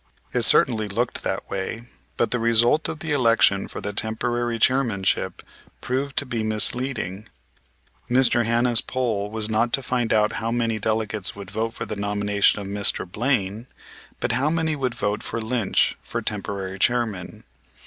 It certainly looked that way, but the result of the election for the temporary chairmanship proved to be misleading. Mr. Hanna's poll was not to find out how many delegates would vote for the nomination of Mr. Blaine, but how many would vote for Lynch for temporary chairman.